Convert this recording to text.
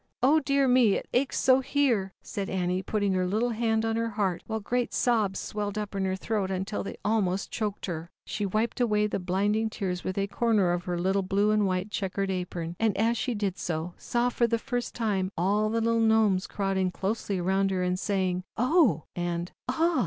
"Oh dear me! it aches so here," said Annie, putting her little hand on if [ heart, while great sobs swelled up in her throat until they almost oked her. ZAUBERLINDA, THE WISE WITCH. She wiped away the blinding tears, with a corner of her little blue and white checked apron, and as she did so, saw for the first time all the little Gnomes crowding closely around her and saying, "Oh!" and "Ah!"